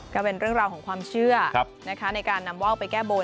ก็เป็นเรื่องราวของความเชื่อนะคะในการนำว่าวไปแก้บน